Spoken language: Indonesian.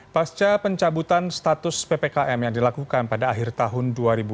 pasca pencabutan status ppkm yang dilakukan pada akhir tahun dua ribu dua puluh